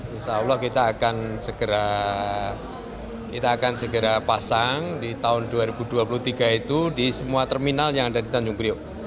insya allah kita akan segera kita akan segera pasang di tahun dua ribu dua puluh tiga itu di semua terminal yang ada di tanjung priok